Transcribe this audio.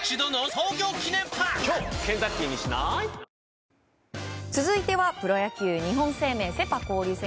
続く続いてはプロ野球日本生命セ・パ交流戦。